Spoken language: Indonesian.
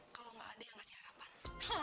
kalau gak ada yang ngasih harapan